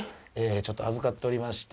ちょっと預かっておりまして。